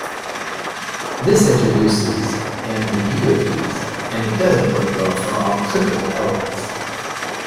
This introduces ambiguities and doesn't work well for all clickable elements.